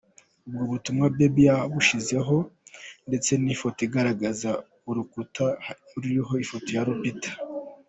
Ubwo butumwa Bebe yabushyizeho ndetse foto igaragaramo urukuta ruriho ifoto ya Lupita.